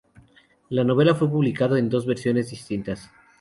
La novela fue publicada en dos versiones distintas.